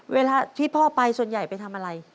เวลาที่พ่อไปส่วนใหญ่ไปทำอะไร